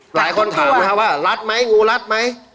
หลายคนถามว่ารัดไหมงูรัดไหม